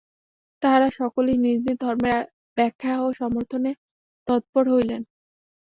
তাঁহারা সকলেই নিজ নিজ ধর্মের ব্যাখ্যা ও সমর্থনে তৎপর হইলেন।